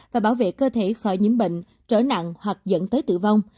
và bảo vệ cơ thể khỏi nhiễm bệnh trở nặng hoặc dẫn tới tử vong